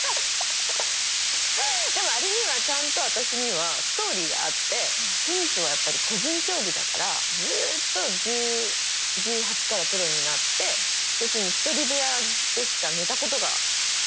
でもあれにはちゃんと私にはストーリーがあってテニスはやっぱり個人競技だからずーっと１８からプロになって要するに一人部屋でしか寝たことがほぼほぼない。